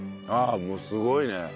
ああもうすごいね。